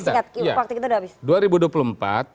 waktu itu sudah habis